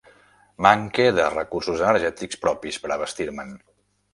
Manque de recursos energètics propis per a abastir-me'n.